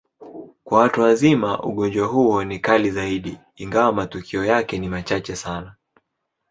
Kwa watu wazima, ugonjwa huo ni kali zaidi, ingawa matukio yake ni machache sana.